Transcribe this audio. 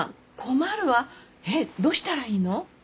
えっどうしたらいいの？